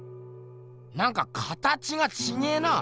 なんか形がちげえな。